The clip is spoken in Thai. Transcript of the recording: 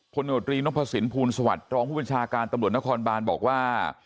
โนตรีนพสินภูลสวัสดิ์รองผู้บัญชาการตำรวจนครบานบอกว่า